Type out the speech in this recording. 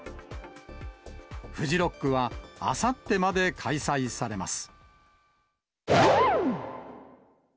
フジロックは、あさってまで開催されます。